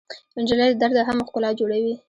نجلۍ له درده هم ښکلا جوړوي.